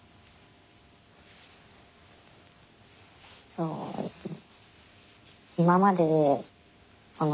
そうですね。